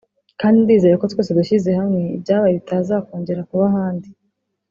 kandi ndizera ko twese dushyize hamwe ibyabaye bitazakongera kuba ahandi